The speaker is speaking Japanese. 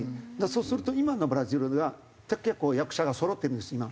そうすると今のブラジルが結構役者がそろってるんです今。